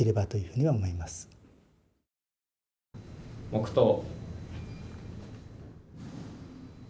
黙とう。